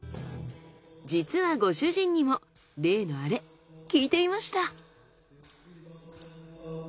実はご主人にも例のアレ聞いていました。